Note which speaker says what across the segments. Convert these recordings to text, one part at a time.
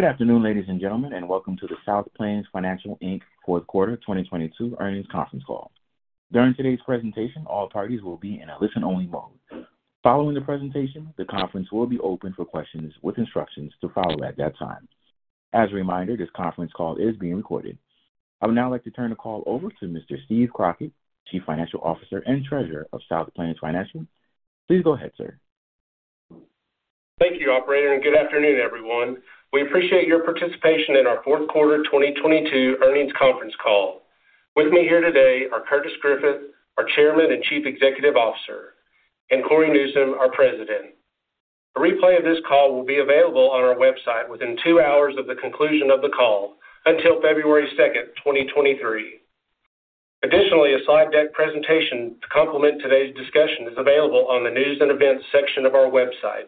Speaker 1: Good afternoon, ladies and gentlemen, welcome to the South Plains Financial Inc. fourth quarter 2022 earnings conference call. During today's presentation, all parties will be in a listen-only mode. Following the presentation, the conference will be open for questions with instructions to follow at that time. As a reminder, this conference call is being recorded. I would now like to turn the call over to Mr. Steve Crockett, Chief Financial Officer and Treasurer of South Plains Financial. Please go ahead, sir.
Speaker 2: Thank you, operator, and good afternoon, everyone. We appreciate your participation in our 4th quarter 2022 earnings conference call. With me here today are Curtis Griffith, our Chairman and Chief Executive Officer, and Cory Newsom, our President. A replay of this call will be available on our website within two hours of the conclusion of the call until February 2, 2023. Additionally, a slide deck presentation to complement today's discussion is available on the News and Events section of our website.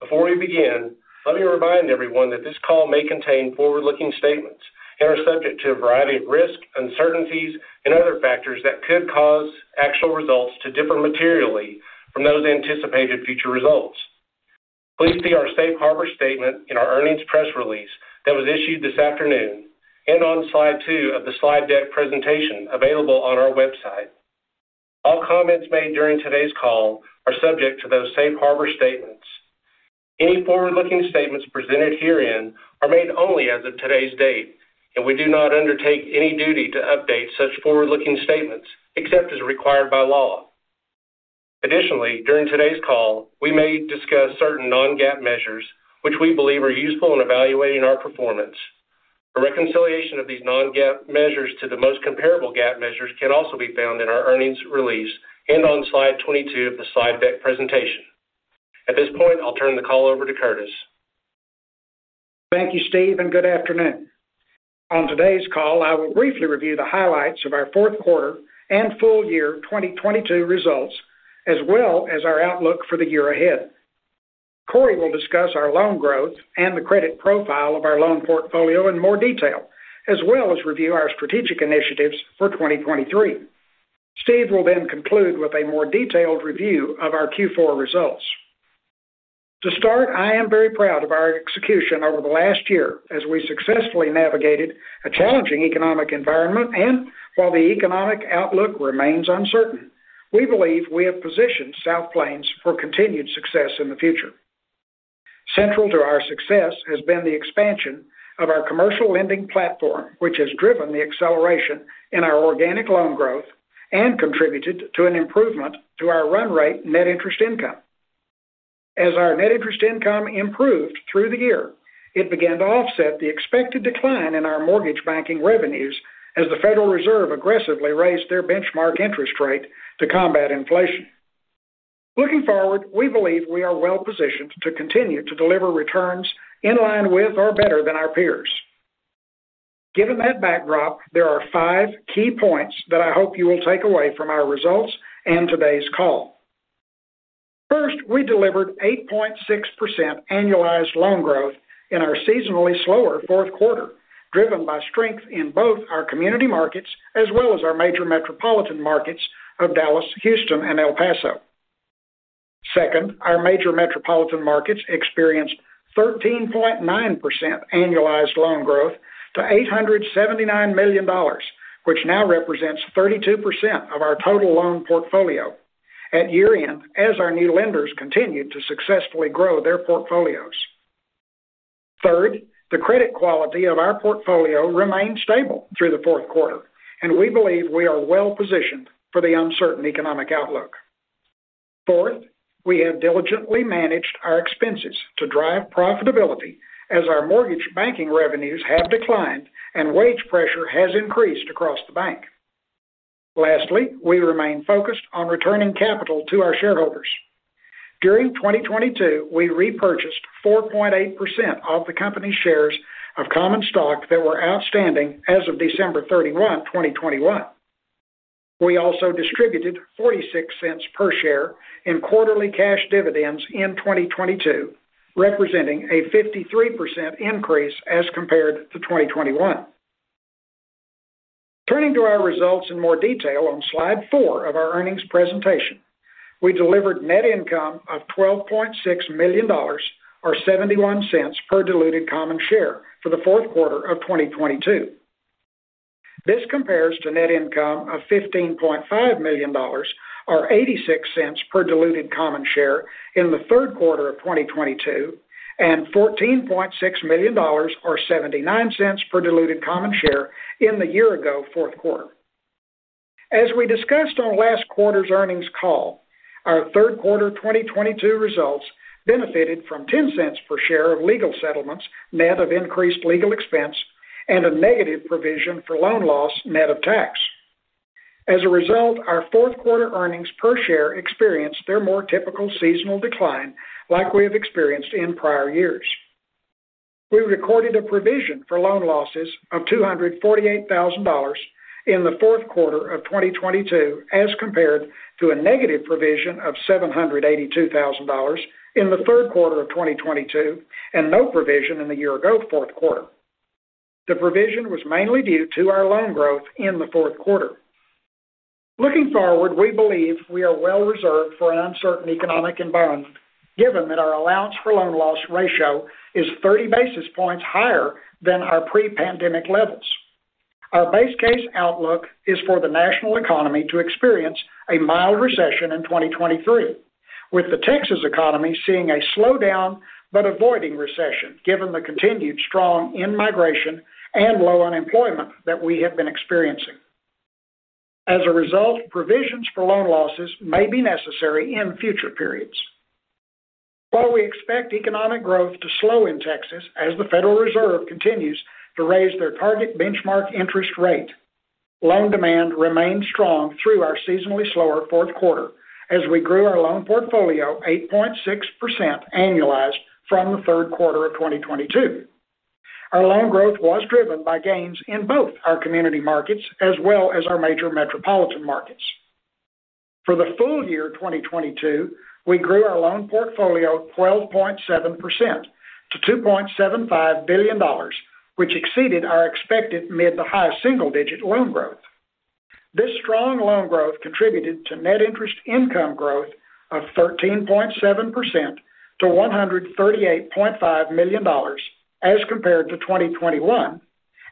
Speaker 2: Before we begin, let me remind everyone that this call may contain forward-looking statements and are subject to a variety of risks, uncertainties, and other factors that could cause actual results to differ materially from those anticipated future results. Please see our safe harbor statement in our earnings press release that was issued this afternoon and on slide two+ of the slide deck presentation available on our website. All comments made during today's call are subject to those safe harbor statements. Any forward-looking statements presented herein are made only as of today's date. We do not undertake any duty to update such forward-looking statements except as required by law. Additionally, during today's call, we may discuss certain non-GAAP measures which we believe are useful in evaluating our performance. A reconciliation of these non-GAAP measures to the most comparable GAAP measures can also be found in our earnings release and on slide 22 of the slide deck presentation. At this point, I'll turn the call over to Curtis.
Speaker 3: Thank you, Steve. Good afternoon. On today's call, I will briefly review the highlights of our 4th quarter and full year 2022 results, as well as our outlook for the year ahead. Corey will discuss our loan growth and the credit profile of our loan portfolio in more detail, as well as review our strategic initiatives for 2023. Steve will then conclude with a more detailed review of our Q4 results. To start, I am very proud of our execution over the last year as we successfully navigated a challenging economic environment. While the economic outlook remains uncertain, we believe we have positioned South Plains for continued success in the future. Central to our success has been the expansion of our commercial lending platform, which has driven the acceleration in our organic loan growth and contributed to an improvement to our run rate net interest income. As our net interest income improved through the year, it began to offset the expected decline in our mortgage banking revenues as the Federal Reserve aggressively raised their benchmark interest rate to combat inflation. Looking forward, we believe we are well positioned to continue to deliver returns in line with or better than our peers. Given that backdrop, there are five key points that I hope you will take away from our results and today's call. First, we delivered 8.6% annualized loan growth in our seasonally slower fourth quarter, driven by strength in both our community markets as well as our major metropolitan markets of Dallas, Houston, and El Paso. Second, our major metropolitan markets experienced 13.9% annualized loan growth to $879 million, which now represents 32% of our total loan portfolio at year-end as our new lenders continued to successfully grow their portfolios. Third, the credit quality of our portfolio remained stable through the fourth quarter. We believe we are well positioned for the uncertain economic outlook. Fourth, we have diligently managed our expenses to drive profitability as our mortgage banking revenues have declined and wage pressure has increased across the bank. Lastly, we remain focused on returning capital to our shareholders. During 2022, we repurchased 4.8% of the company's shares of common stock that were outstanding as of December 31, 2021. We also distributed $0.46 per share in quarterly cash dividends in 2022, representing a 53% increase as compared to 2021. Turning to our results in more detail on slide 4 of our earnings presentation, we delivered net income of $12.6 million or $0.71 per diluted common share for the 4th quarter of 2022. This compares to net income of $15.5 million or $0.86 per diluted common share in the 3rd quarter of 2022, and $14.6 million or $0.79 per diluted common share in the year ago 4th quarter. As we discussed on last quarter's earnings call, our 3rd quarter 2022 results benefited from $0.10 per share of legal settlements, net of increased legal expense and a negative Provision for loan loss, net of tax. As a result, our fourth quarter earnings per share experienced their more typical seasonal decline like we have experienced in prior years. We recorded a provision for loan losses of $248,000 in the fourth quarter of 2022, as compared to a negative provision of $782,000 in the third quarter of 2022, and no provision in the year ago fourth quarter. The provision was mainly due to our loan growth in the fourth quarter. Looking forward, we believe we are well reserved for an uncertain economic environment, given that our allowance for loan loss ratio is 30 basis points higher than our pre-pandemic levels. Our base case outlook is for the national economy to experience a mild recession in 2023, with the Texas economy seeing a slowdown but avoiding recession, given the continued strong in-migration and low unemployment that we have been experiencing. As a result, provisions for loan losses may be necessary in future periods. While we expect economic growth to slow in Texas as the Federal Reserve continues to raise their target benchmark interest rate, loan demand remained strong through our seasonally slower fourth quarter as we grew our loan portfolio 8.6% annualized from the third quarter of 2022. Our loan growth was driven by gains in both our community markets as well as our major metropolitan markets. For the full year 2022, we grew our loan portfolio 12.7% to $2.75 billion, which exceeded our expected mid to high single-digit loan growth. This strong loan growth contributed to net interest income growth of 13.7% to $138.5 million as compared to 2021,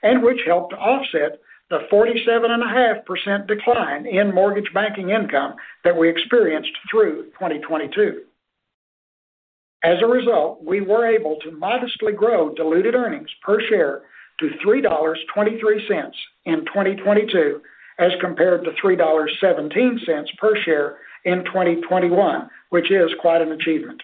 Speaker 3: and which helped offset the 47.5% decline in mortgage banking income that we experienced through 2022. As a result, we were able to modestly grow diluted earnings per share to $3.23 in 2022, as compared to $3.17 per share in 2021, which is quite an achievement.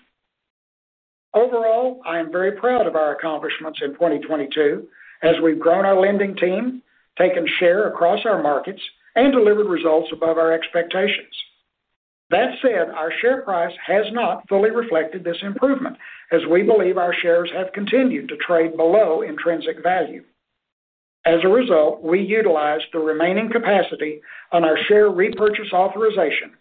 Speaker 3: Overall, I am very proud of our accomplishments in 2022 as we've grown our lending team, taken share across our markets, and delivered results above our expectations. That said, our share price has not fully reflected this improvement as we believe our shares have continued to trade below intrinsic value. As a result, we utilized the remaining capacity on our share repurchase authorization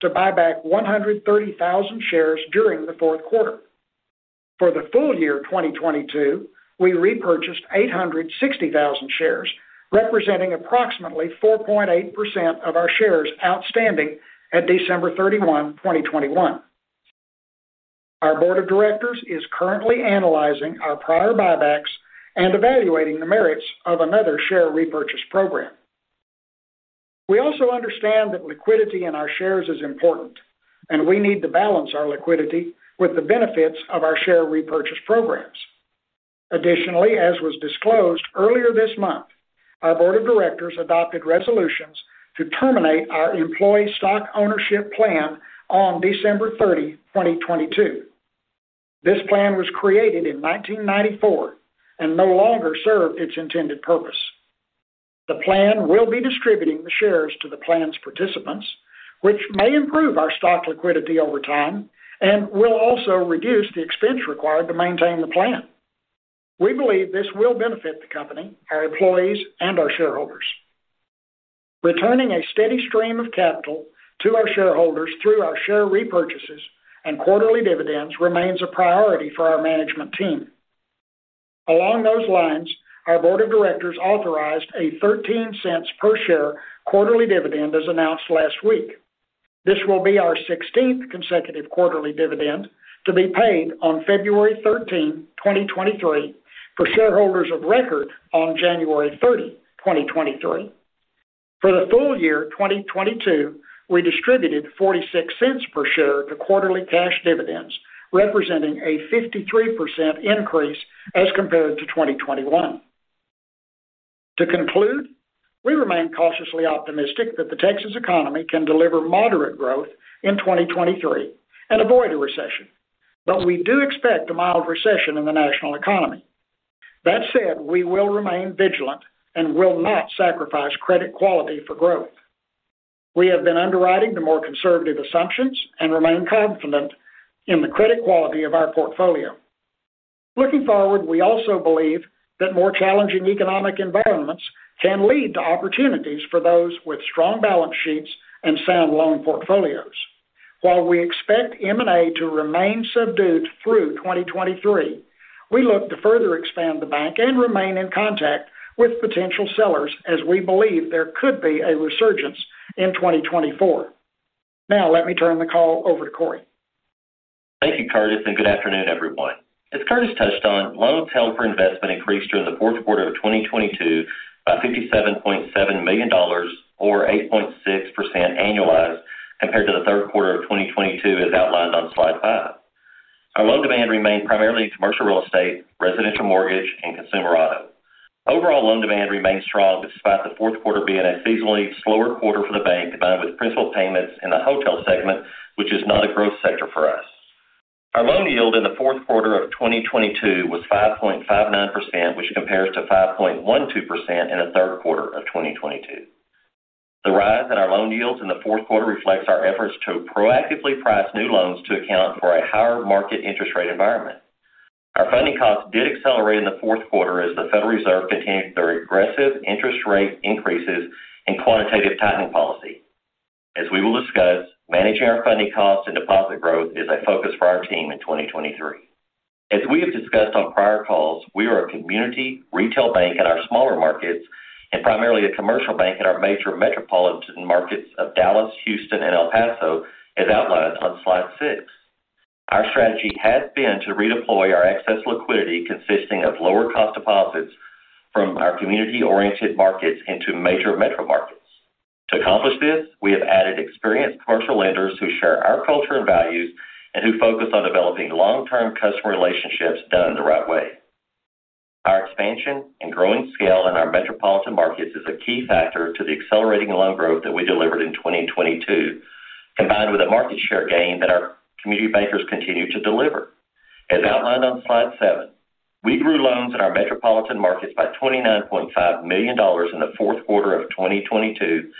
Speaker 3: to buy back 130,000 shares during the fourth quarter. For the full year 2022, we repurchased 860,000 shares, representing approximately 4.8% of our shares outstanding at December 31, 2021. Our board of directors is currently analyzing our prior buybacks and evaluating the merits of another share repurchase program. We also understand that liquidity in our shares is important, and we need to balance our liquidity with the benefits of our share repurchase programs. Additionally, as was disclosed earlier this month, our board of directors adopted resolutions to terminate our Employee Stock Ownership Plan on December 30, 2022. This plan was created in 1994 and no longer served its intended purpose. The plan will be distributing the shares to the plan's participants, which may improve our stock liquidity over time and will also reduce the expense required to maintain the plan. We believe this will benefit the company, our employees, and our shareholders. Returning a steady stream of capital to our shareholders through our share repurchases and quarterly dividends remains a priority for our management team. Along those lines, our board of directors authorized a $0.13 per share quarterly dividend, as announced last week. This will be our 16th consecutive quarterly dividend to be paid on February 13, 2023, for shareholders of record on January 30, 2023. For the full year 2022, we distributed $0.46 per share to quarterly cash dividends, representing a 53% increase as compared to 2021. To conclude, we remain cautiously optimistic that the Texas economy can deliver moderate growth in 2023 and avoid a recession, but we do expect a mild recession in the national economy. That said, we will remain vigilant and will not sacrifice credit quality for growth. We have been underwriting to more conservative assumptions and remain confident in the credit quality of our portfolio. Looking forward, we also believe that more challenging economic environments can lead to opportunities for those with strong balance sheets and sound loan portfolios. While we expect M&A to remain subdued through 2023, we look to further expand the bank and remain in contact with potential sellers as we believe there could be a resurgence in 2024. Now let me turn the call over to Cory.
Speaker 4: Thank you, Curtis. Good afternoon, everyone. As Curtis touched on, loans held for investment increased during the fourth quarter of 2022 by $57.7 million or 8.6% annualized compared to the third quarter of 2022, as outlined on slide five. Our loan demand remained primarily in commercial real estate, residential mortgage, and consumer auto. Overall loan demand remained strong, despite the fourth quarter being a seasonally slower quarter for the bank, combined with principal payments in the hotel segment, which is not a growth sector for us. Our loan yield in the fourth quarter of 2022 was 5.59%, which compares to 5.12% in the third quarter of 2022. The rise in our loan yields in the fourth quarter reflects our efforts to proactively price new loans to account for a higher market interest rate environment. Our funding costs did accelerate in the fourth quarter as the Federal Reserve continued their aggressive interest rate increases and Quantitative Tightening policy. As we will discuss, managing our funding costs and deposit growth is a focus for our team in 2023. As we have discussed on prior calls, we are a community retail bank in our smaller markets and primarily a commercial bank in our major metropolitan markets of Dallas, Houston, and El Paso, as outlined on slide six. Our strategy has been to redeploy our excess liquidity, consisting of lower cost deposits from our community-oriented markets into major metro markets. To accomplish this, we have added experienced commercial lenders who share our culture and values, and who focus on developing long-term customer relationships done the right way. Our expansion and growing scale in our metropolitan markets is a key factor to the accelerating loan growth that we delivered in 2022, combined with a market share gain that our community bankers continue to deliver. As outlined on slide seven, we grew loans in our metropolitan markets by $29.5 million in the fourth quarter of 2022,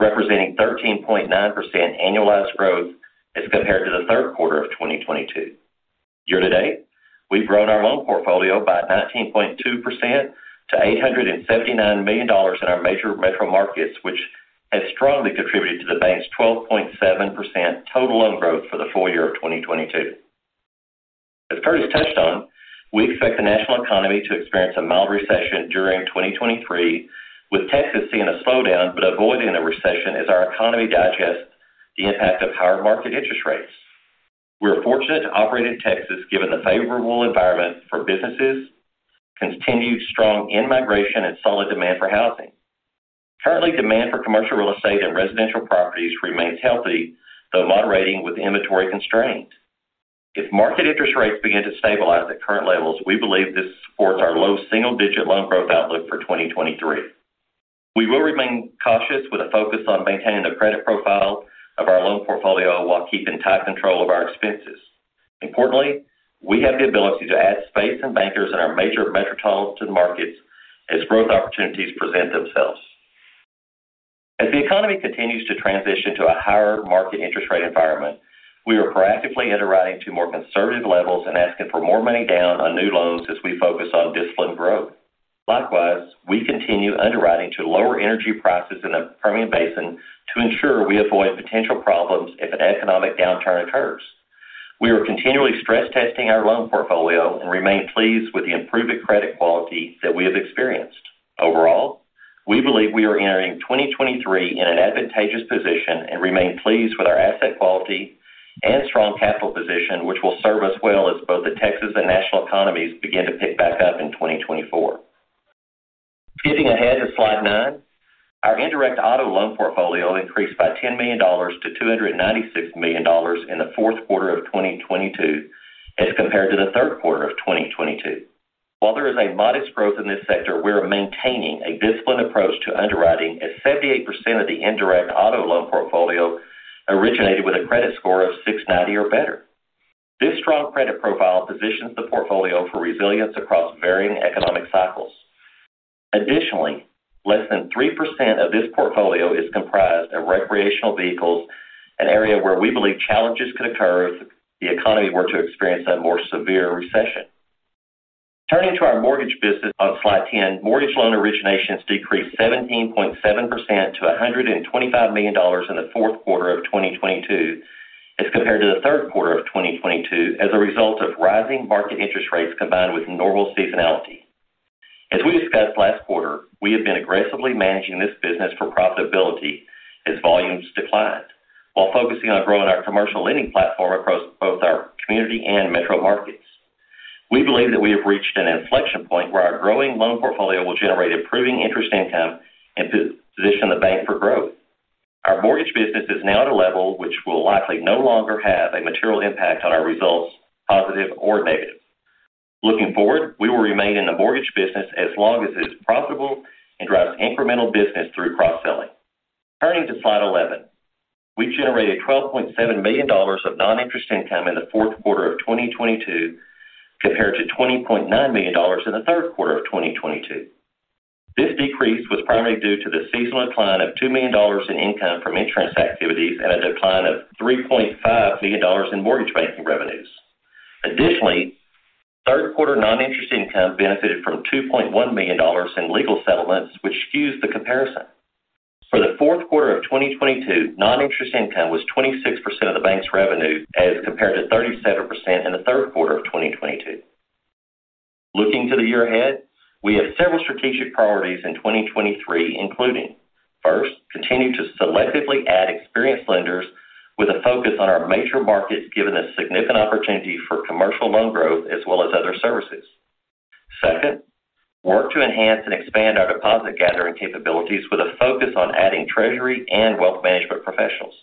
Speaker 4: representing 13.9% annualized growth as compared to the third quarter of 2022. Year to date, we've grown our loan portfolio by 19.2% to $879 million in our major metro markets, which has strongly contributed to the bank's 12.7% total loan growth for the full year of 2022. As Curtis touched on, we expect the national economy to experience a mild recession during 2023, with Texas seeing a slowdown but avoiding a recession as our economy digests the impact of higher market interest rates. We are fortunate to operate in Texas, given the favorable environment for businesses, continued strong in-migration and solid demand for housing. Currently, demand for commercial real estate and residential properties remains healthy, though moderating with inventory constraints. If market interest rates begin to stabilize at current levels, we believe this supports our low single-digit loan growth outlook for 2023. We will remain cautious with a focus on maintaining the credit profile of our loan portfolio while keeping tight control of our expenses. Importantly, we have the ability to add space and bankers in our major metropolitan markets as growth opportunities present themselves. As the economy continues to transition to a higher market interest rate environment, we are proactively underwriting to more conservative levels and asking for more money down on new loans as we focus on disciplined growth. Likewise, we continue underwriting to lower energy prices in the Permian Basin to ensure we avoid potential problems if an economic downturn occurs. We are continually stress testing our loan portfolio and remain pleased with the improved credit quality that we have experienced. Overall, we believe we are entering 2023 in an advantageous position and remain pleased with our asset quality and strong capital position, which will serve us well as both the Texas and national economies begin to pick back up in 2024. Skipping ahead to slide nine, our indirect auto loan portfolio increased by $10 million-$296 million in the fourth quarter of 2022 as compared to the third quarter of 2022. While there is a modest growth in this sector, we are maintaining a disciplined approach to underwriting as 78% of the indirect auto loan portfolio originated with a credit score of 690 or better. This strong credit profile positions the portfolio for resilience across varying economic cycles. Additionally, less than 3% of this portfolio is comprised of recreational vehicles, an area where we believe challenges could occur if the economy were to experience a more severe recession. Turning to our mortgage business on slide 10, mortgage loan originations decreased 17.7% to $125 million in the fourth quarter of 2022 as compared to the third quarter of 2022 as a result of rising market interest rates combined with normal seasonality. As we discussed last quarter, we have been aggressively managing this business for profitability as volumes declined while focusing on growing our commercial lending platform across both our community and metro markets. We believe that we have reached an inflection point where our growing loan portfolio will generate improving interest income and position the bank for growth. Our mortgage business is now at a level which will likely no longer have a material impact on our results, positive or negative. Looking forward, we will remain in the mortgage business as long as it's profitable and drives incremental business through cross-selling. Turning to slide 11. We generated $12.7 million of non-interest income in the fourth quarter of 2022 compared to $20.9 million in the third quarter of 2022. This decrease was primarily due to the seasonal decline of $2 million in income from insurance activities and a decline of $3.5 million in mortgage banking revenues. Additionally, third quarter non-interest income benefited from $2.1 million in legal settlements, which skews the comparison. For the fourth quarter of 2022, non-interest income was 26% of the bank's revenue as compared to 37% in the third quarter of 2022. Looking to the year ahead, we have several strategic priorities in 2023, including, first, continue to selectively add experienced lenders with a focus on our major markets, given the significant opportunity for commercial loan growth as well as other services. Second, work to enhance and expand our deposit gathering capabilities with a focus on adding treasury and wealth management professionals.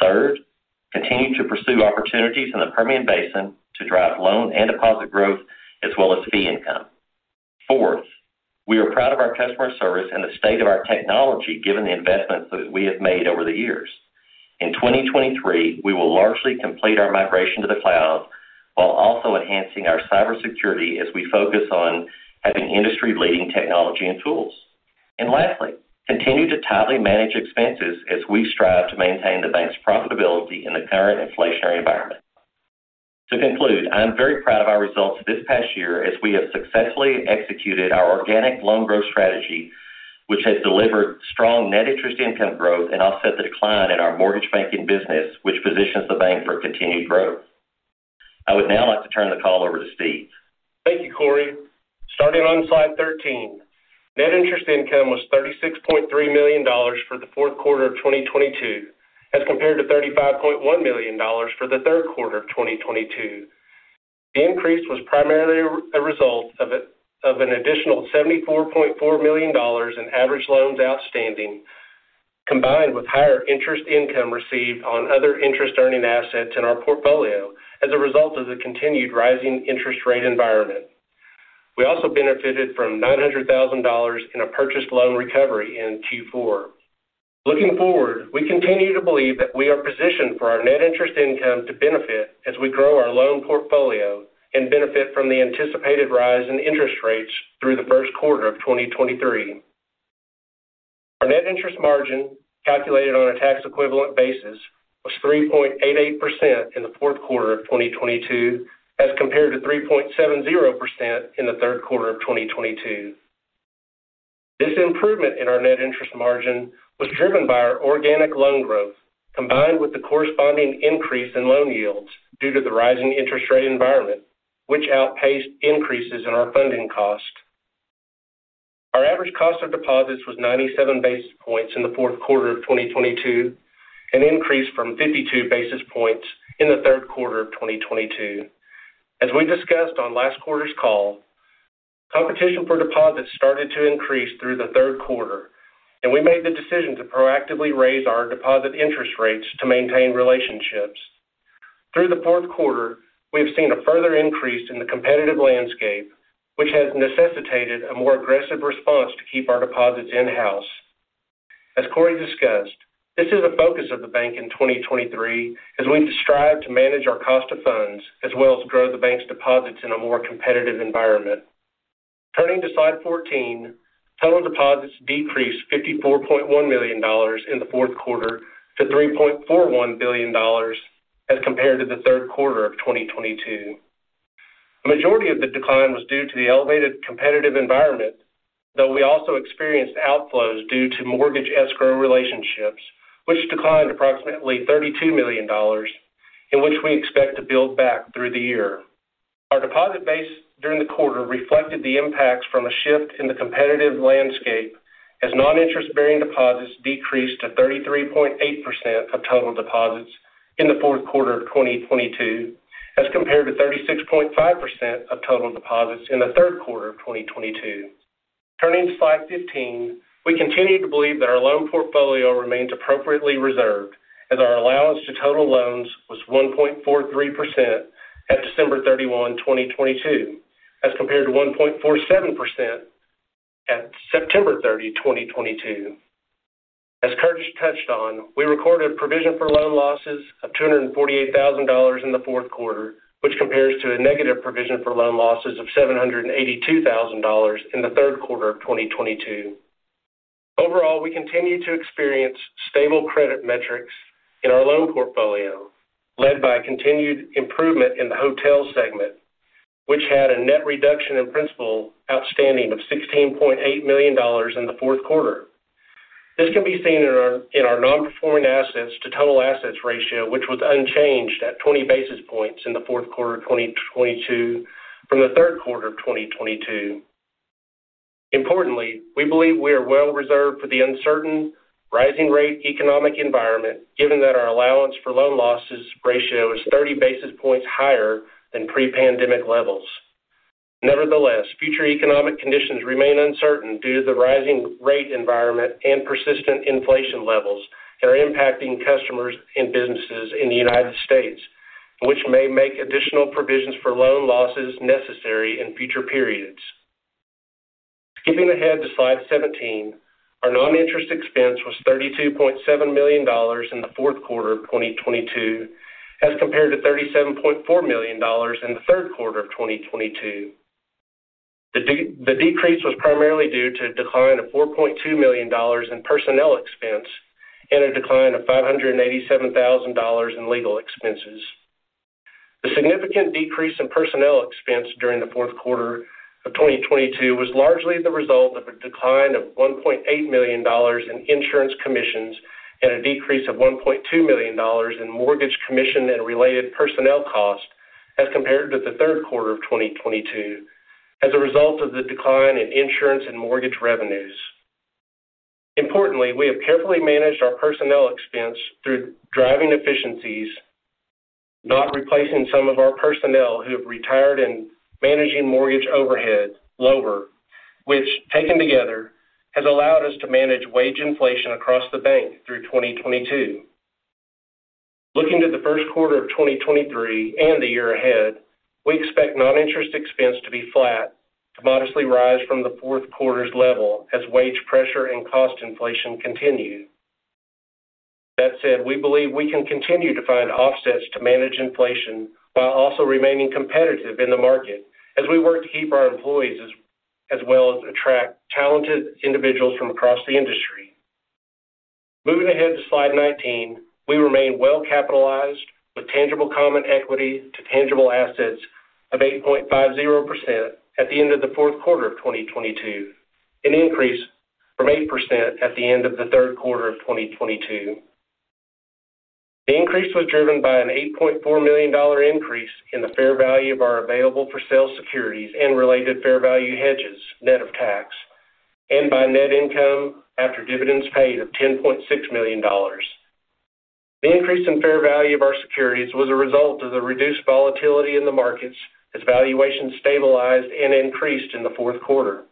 Speaker 4: Third, continue to pursue opportunities in the Permian Basin to drive loan and deposit growth as well as fee income. Fourth, we are proud of our customer service and the state of our technology given the investments that we have made over the years. In 2023, we will largely complete our migration to the cloud while also enhancing our cybersecurity as we focus on having industry-leading technology and tools. Lastly, continue to tightly manage expenses as we strive to maintain the bank's profitability in the current inflationary environment. To conclude, I am very proud of our results this past year as we have successfully executed our organic loan growth strategy. Which has delivered strong net interest income growth and offset the decline in our mortgage banking business, which positions the bank for continued growth. I would now like to turn the call over to Steve.
Speaker 2: Thank you, Corey. Starting on slide 13, net interest income was $36.3 million for the fourth quarter of 2022, as compared to $35.1 million for the third quarter of 2022. The increase was primarily a result of an additional $74.4 million in average loans outstanding, combined with higher interest income received on other interest-earning assets in our portfolio as a result of the continued rising interest rate environment. We also benefited from $900,000 in a purchased loan recovery in Q4. Looking forward, we continue to believe that we are positioned for our net interest income to benefit as we grow our loan portfolio and benefit from the anticipated rise in interest rates through the first quarter of 2023. Our net interest margin, calculated on a tax equivalent basis, was 3.88% in the fourth quarter of 2022, as compared to 3.70% in the third quarter of 2022. This improvement in our net interest margin was driven by our organic loan growth, combined with the corresponding increase in loan yields due to the rising interest rate environment, which outpaced increases in our funding cost. Our average cost of deposits was 97 basis points in the fourth quarter of 2022, an increase from 52 basis points in the third quarter of 2022. As we discussed on last quarter's call, competition for deposits started to increase through the third quarter, and we made the decision to proactively raise our deposit interest rates to maintain relationships. Through the fourth quarter, we have seen a further increase in the competitive landscape, which has necessitated a more aggressive response to keep our deposits in-house. As Cory discussed, this is a focus of the bank in 2023 as we strive to manage our cost of funds, as well as grow the bank's deposits in a more competitive environment. Turning to slide 14, total deposits decreased $54.1 million in the fourth quarter to $3.41 billion as compared to the third quarter of 2022. The majority of the decline was due to the elevated competitive environment, though we also experienced outflows due to mortgage escrow relationships, which declined approximately $32 million, and which we expect to build back through the year. Our deposit base during the quarter reflected the impacts from a shift in the competitive landscape as non-interest-bearing deposits decreased to 33.8% of total deposits in the 4th quarter of 2022, as compared to 36.5% of total deposits in the 3rd quarter of 2022. Turning to slide 15. We continue to believe that our loan portfolio remains appropriately reserved as our allowance to total loans was 1.43% at December 31, 2022, as compared to 1.47% at September 30, 2022. As Curtis touched on, we recorded Provision for loan losses of $248,000 in the 4th quarter, which compares to a negative Provision for loan losses of $782,000 in the 3rd quarter of 2022. Overall, we continue to experience stable credit metrics in our loan portfolio, led by continued improvement in the hotel segment, which had a net reduction in principal outstanding of $16.8 million in the fourth quarter. This can be seen in our non-performing assets to total assets ratio, which was unchanged at 20 basis points in the fourth quarter of 2022 from the 3rd quarter of 2022. Importantly, we believe we are well reserved for the uncertain rising rate economic environment, given that our allowance for loan losses ratio is 30 basis points higher than pre-pandemic levels. Future economic conditions remain uncertain due to the rising rate environment and persistent inflation levels that are impacting customers and businesses in the United States, which may make additional provisions for loan losses necessary in future periods. Skipping ahead to slide 17. Our non-interest expense was $32.7 million in the fourth quarter of 2022, as compared to $37.4 million in the third quarter of 2022. The decrease was primarily due to a decline of $4.2 million in personnel expense and a decline of $587,000 in legal expenses. The significant decrease in personnel expense during the fourth quarter of 2022 was largely the result of a decline of $1.8 million in insurance commissions and a decrease of $1.2 million in mortgage commission and related personnel costs as compared to the third quarter of 2022 as a result of the decline in insurance and mortgage revenues. Importantly, we have carefully managed our personnel expense through driving efficiencies, not replacing some of our personnel who have retired, and managing mortgage overhead lower, which taken together has allowed us to manage wage inflation across the bank through 2022. Looking to the first quarter of 2023 and the year ahead, we expect non-interest expense to be flat, to modestly rise from the fourth quarter's level as wage pressure and cost inflation continue. That said, we believe we can continue to find offsets to manage inflation while also remaining competitive in the market as we work to keep our employees as well as attract talented individuals from across the industry. Moving ahead to slide 19, we remain well capitalized with tangible common equity to tangible assets of 8.50% at the end of the fourth quarter of 2022, an increase from 8% at the end of the third quarter of 2022. The increase was driven by an $8.4 million increase in the fair value of our available-for-sale securities and related fair value hedges net of tax, and by net income after dividends paid of $10.6 million. The increase in fair value of our securities was a result of the reduced volatility in the markets as valuations stabilized and increased in the fourth quarter.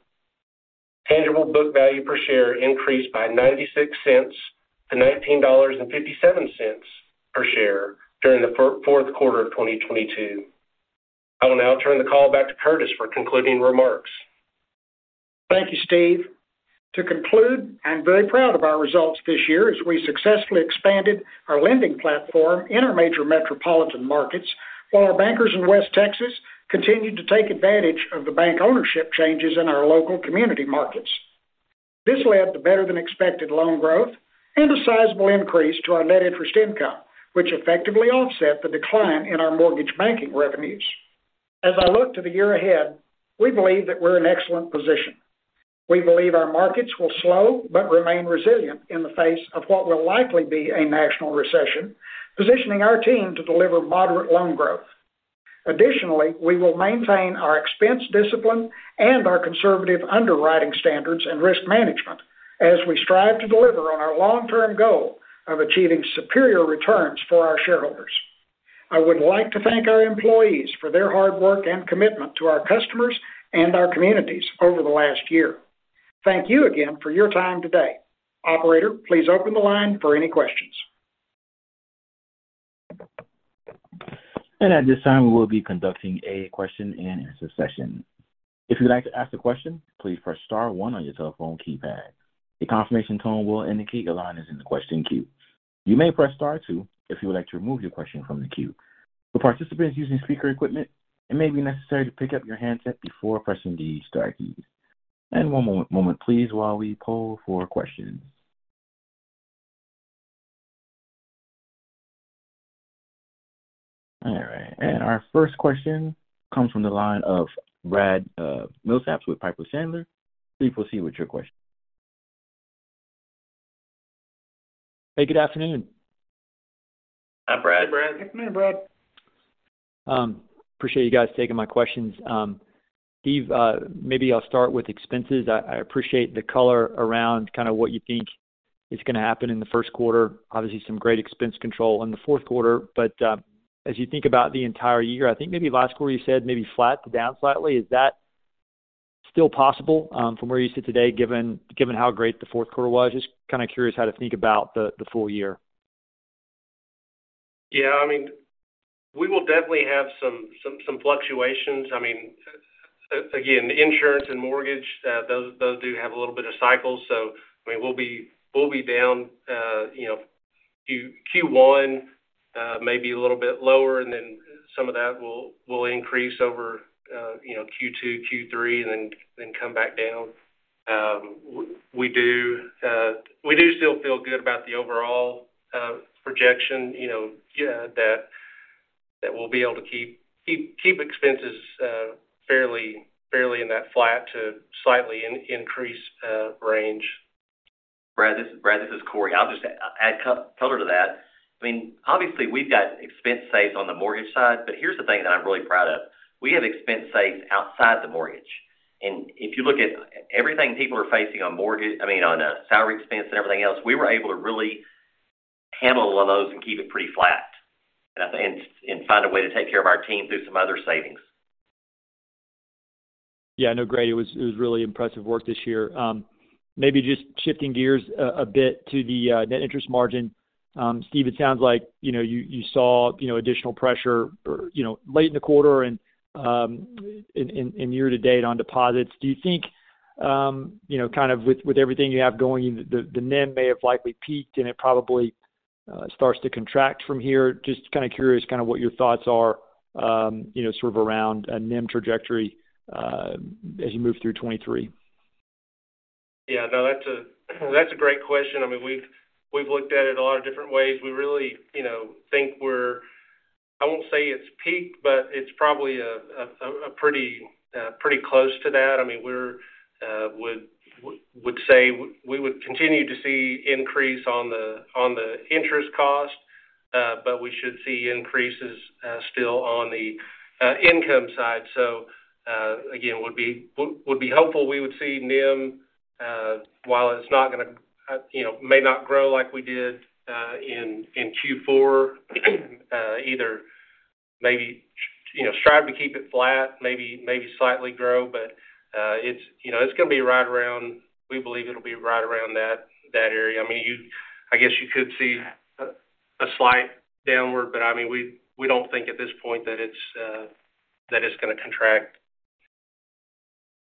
Speaker 2: Tangible book value per share increased by $0.96-$19.57 per share during the fourth quarter of 2022. I will now turn the call back to Curtis for concluding remarks.
Speaker 3: Thank you, Steve. To conclude, I'm very proud of our results this year as we successfully expanded our lending platform in our major metropolitan markets, while our bankers in West Texas continued to take advantage of the bank ownership changes in our local community markets. This led to better than expected loan growth and a sizable increase to our net interest income, which effectively offset the decline in our mortgage banking revenues. As I look to the year ahead, we believe that we're in excellent position. We believe our markets will slow but remain resilient in the face of what will likely be a national recession, positioning our team to deliver moderate loan growth. Additionally, we will maintain our expense discipline and our conservative underwriting standards and risk management as we strive to deliver on our long-term goal of achieving superior returns for our shareholders. I would like to thank our employees for their hard work and commitment to our customers and our communities over the last year. Thank you again for your time today. Operator, please open the line for any questions.
Speaker 1: At this time, we will be conducting a question-and-answer session. If you'd like to ask a question, please press star one on your telephone keypad. A confirmation tone will indicate your line is in the question queue. You may press star two if you would like to remove your question from the queue. For participants using speaker equipment, it may be necessary to pick up your handset before pressing the star key. One moment, please, while we poll for questions. All right, our first question comes from the line of Brad Milsaps with Piper Sandler. Please proceed with your question.
Speaker 5: Hey, good afternoon.
Speaker 2: Hi, Brad.
Speaker 3: Good afternoon, Brad.
Speaker 5: Appreciate you guys taking my questions. Steve, maybe I'll start with expenses. I appreciate the color around kinda what you think is gonna happen in the first quarter. Obviously, some great expense control in the fourth quarter, but as you think about the entire year, I think maybe last quarter you said maybe flat to down slightly. Is that still possible from where you sit today, given how great the fourth quarter was? Just kinda curious how to think about the full year.
Speaker 2: Yeah, I mean, we will definitely have some fluctuations. I mean, again, insurance and mortgage, those do have a little bit of cycles. I mean, we'll be down, you know, Q1, maybe a little bit lower, and then some of that will increase over, you know, Q2, Q3, and then come back down. We do still feel good about the overall projection, you know, yeah, that we'll be able to keep expenses fairly in that flat to slightly increased range.
Speaker 4: Brad, this is Cory. I'll just add color to that. I mean, obviously, we've got expense saves on the mortgage side. Here's the thing that I'm really proud of. We have expense saves outside the mortgage. If you look at everything people are facing on mortgage, I mean, on salary expense and everything else, we were able to really handle one of those and keep it pretty flat, and I think and find a way to take care of our team through some other savings.
Speaker 5: Yeah. No, great. It was really impressive work this year. Maybe just shifting gears a bit to the net interest margin. Steve, it sounds like, you know, you saw, you know, additional pressure or, you know, late in the quarter and in year to date on deposits. Do you think, you know, kind of with everything you have going, the NIM may have likely peaked and it probably starts to contract from here? Just kinda curious kinda what your thoughts are, you know, sort of around a NIM trajectory as you move through 2023.
Speaker 2: No, that's a great question. I mean, we've looked at it a lot of different ways. We really, you know, think we're... I won't say it's peaked, but it's probably a pretty close to that. I mean, we would say we would continue to see increase on the interest cost, but we should see increases still on the income side. Again, would be hopeful we would see NIM, while it's not gonna, you know, may not grow like we did in Q4. Either maybe, you know, strive to keep it flat, maybe slightly grow. It's, you know, it's gonna be right around. We believe it'll be right around that area. I mean, I guess you could see a slight downward, but I mean, we don't think at this point that it's gonna contract.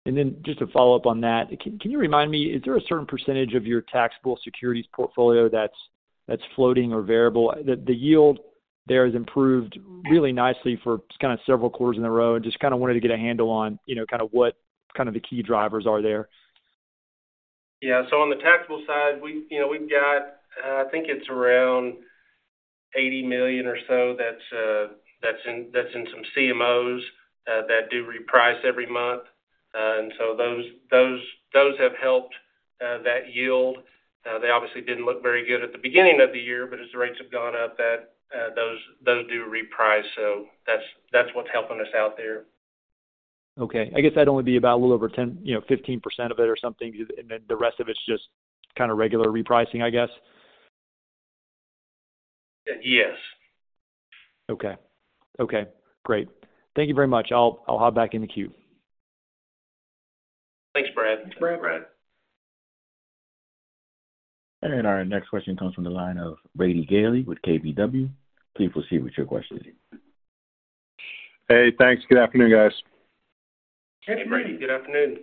Speaker 5: Then just to follow up on that, can you remind me, is there a certain percentage of your taxable securities portfolio that's floating or variable? The, the yield there has improved really nicely for just kinda several quarters in a row. Just kinda wanted to get a handle on, you know, kinda what kind of the key drivers are there.
Speaker 2: Yeah. On the taxable side, you know, we've got, I think it's around $80 million or so that's in some CMOs, that do reprice every month. Those have helped that yield. They obviously didn't look very good at the beginning of the year, but as the rates have gone up, that, those do reprice. That's what's helping us out there.
Speaker 5: Okay. I guess that'd only be about a little over 10, you know, 15% of it or something. The rest of it's just kind of regular repricing, I guess.
Speaker 2: Yes.
Speaker 5: Okay. Okay, great. Thank you very much. I'll hop back in the queue.
Speaker 2: Thanks, Brad.
Speaker 3: Thanks, Brad.
Speaker 4: Brad.
Speaker 1: Our next question comes from the line of Brady Gailey with KBW. Please proceed with your questions.
Speaker 6: Hey, thanks. Good afternoon, guys.
Speaker 2: Hey, Brady. Good afternoon.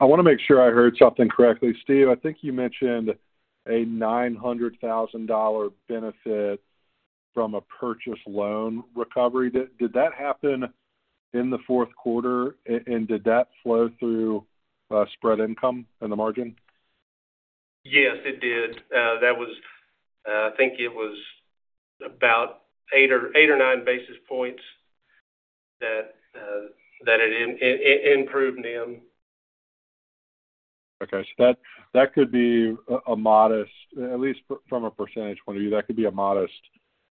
Speaker 6: I wanna make sure I heard something correctly. Steve, I think you mentioned a $900,000 benefit from a purchase loan recovery. Did that happen in the fourth quarter? And did that flow through spread income in the margin?
Speaker 2: Yes, it did. I think it was about 8 or 9 basis points that it improved NIM.
Speaker 6: Okay. That could be a modest, at least from a percentage point of view, that could be a modest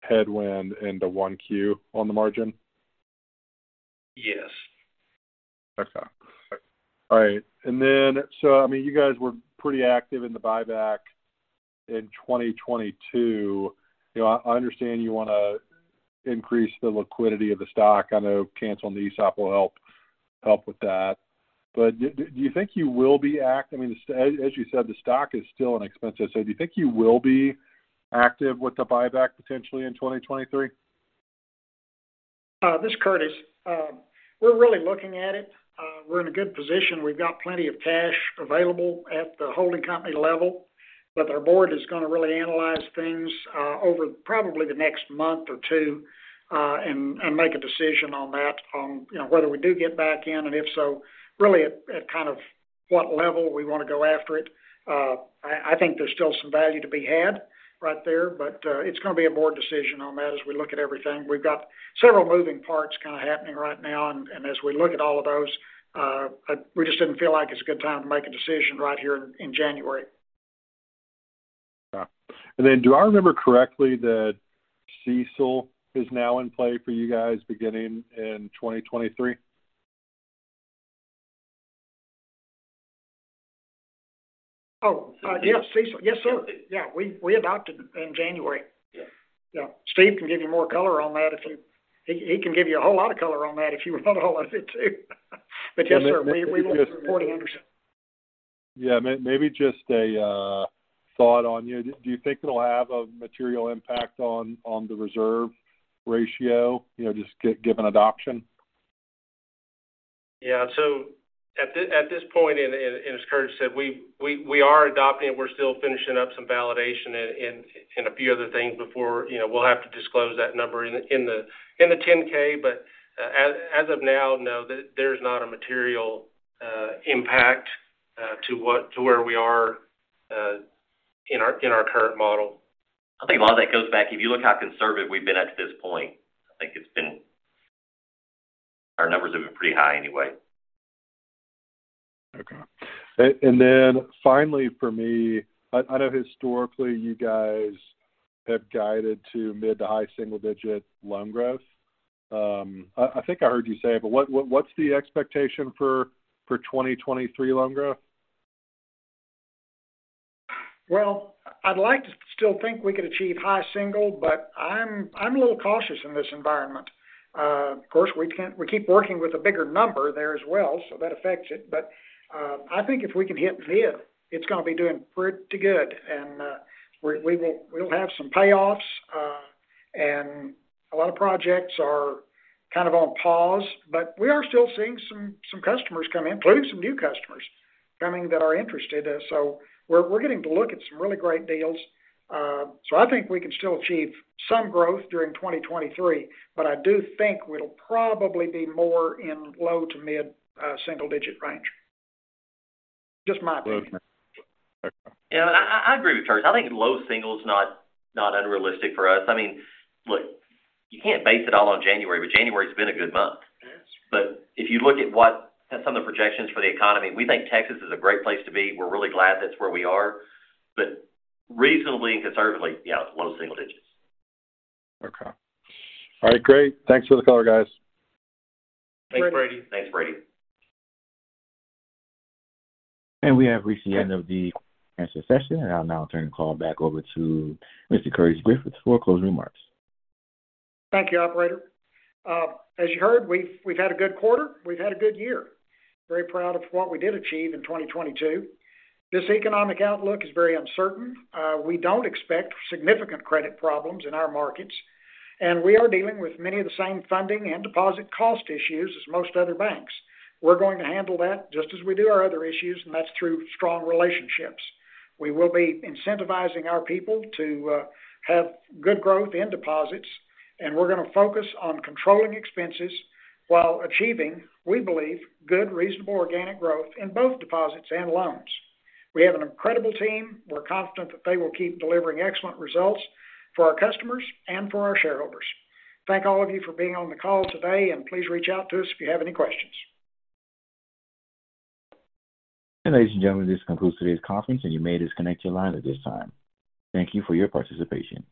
Speaker 6: headwind into one Q on the margin?
Speaker 2: Yes.
Speaker 6: Okay. All right. I mean, you guys were pretty active in the buyback in 2022. You know, I understand you wanna increase the liquidity of the stock. I know canceling the ESOP will help with that. I mean, as you said, the stock is still an expensive. Do you think you will be active with the buyback potentially in 2023?
Speaker 3: This is Curtis. We're really looking at it. We're in a good position. We've got plenty of cash available at the holding company level, but our board is gonna really analyze things over probably the next month or two, and make a decision on that, on, you know, whether we do get back in, and if so, really at kind of what level we wanna go after it. I think there's still some value to be had right there, but it's gonna be a board decision on that as we look at everything. We've got several moving parts kinda happening right now. As we look at all of those, we just didn't feel like it's a good time to make a decision right here in January.
Speaker 6: Yeah. Do I remember correctly that CECL is now in play for you guys beginning in 2023?
Speaker 3: Oh, yes, CECL. Yes, sir. Yeah. We adopted in January.
Speaker 2: Yeah.
Speaker 3: Yeah. Steve can give you more color on that if you. He can give you a whole lot of color on that if you want a whole lot of it too. Yes, sir, we reported it.
Speaker 6: Yeah. maybe just a thought on, you know, do you think it'll have a material impact on the reserve ratio, you know, just given adoption?
Speaker 2: At this point, and as Curtis said, we are adopting it. We're still finishing up some validation and a few other things before, you know, we'll have to disclose that number in the Ten-K. As of now, no, there's not a material impact to where we are in our current model.
Speaker 3: I think a lot of that goes back. If you look how conservative we've been at to this point, I think it's been. Our numbers have been pretty high anyway.
Speaker 6: Okay. Finally for me, I know historically you guys have guided to mid to high single digit loan growth. I think I heard you say it, what's the expectation for 2023 loan growth?
Speaker 3: Well, I'd like to still think we could achieve high single, but I'm a little cautious in this environment. Of course, we keep working with a bigger number there as well, so that affects it. I think if we can hit mid, it's gonna be doing pretty good. We will have some payoffs. A lot of projects are kind of on pause, but we are still seeing some customers come in, including some new customers coming that are interested. We're getting to look at some really great deals. I think we can still achieve some growth during 2023, but I do think we'll probably be more in low to mid single digit range. Just my opinion.
Speaker 6: Okay.
Speaker 4: I agree with Curtis. I think low single is not unrealistic for us. I mean, look, you can't base it all on January. January's been a good month.
Speaker 3: Yes. If you look at what some of the projections for the economy, we think Texas is a great place to be. We're really glad that's where we are. Reasonably and conservatively, yeah, it's low single digits.
Speaker 6: Okay. All right, great. Thanks for the color, guys.
Speaker 2: Thanks, Brady.
Speaker 4: Thanks, Brady.
Speaker 1: We have reached the end of the question session. I'll now turn the call back over to Mr. Curtis Griffith for closing remarks.
Speaker 3: Thank you, operator. As you heard, we've had a good quarter. We've had a good year. Very proud of what we did achieve in 2022. This economic outlook is very uncertain. We don't expect significant credit problems in our markets. We are dealing with many of the same funding and deposit cost issues as most other banks. We're going to handle that just as we do our other issues. That's through strong relationships. We will be incentivizing our people to have good growth in deposits. We're gonna focus on controlling expenses while achieving, we believe, good, reasonable organic growth in both deposits and loans. We have an incredible team. We're confident that they will keep delivering excellent results for our customers and for our shareholders. Thank all of you for being on the call today, and please reach out to us if you have any questions.
Speaker 1: Ladies and gentlemen, this concludes today's conference, and you may disconnect your line at this time. Thank you for your participation.